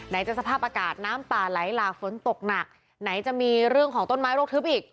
จะสภาพอากาศน้ำป่าไหลหลากฝนตกหนักไหนจะมีเรื่องของต้นไม้โรคทึบอีก